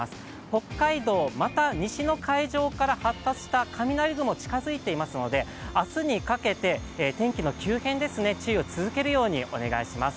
北海道、また西の海上から発達した雷雲が近づいていますので、明日にかけて天気の急変、注意を続けるようにお願いします。